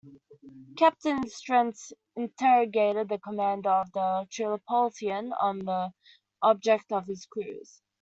Captain Sterret interrogated the commander of the Tripolitan on the object of his cruize.